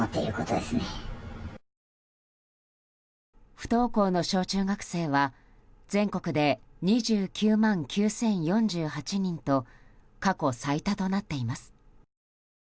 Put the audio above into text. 不登校の小中学生は全国で２９万９０４８人と過去最多となっています。